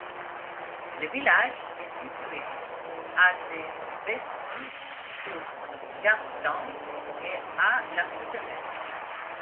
Le village est situé à de Bessines-sur-Gartempe et à de La Souterraine.